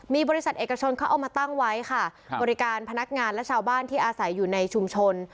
มีบริษัทเอกชนเขาเอามาตั้งไว้ค่ะบริการพนักงานและชาวบ้านที่อาศัยอยู่ในชุมชน